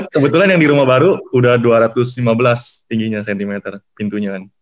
kebetulan yang di rumah baru udah dua ratus lima belas tingginya cm pintunya kan